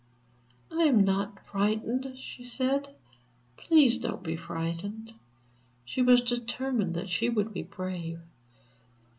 "I am not frightened," she said, "please don't be frightened." She was determined that she would be brave.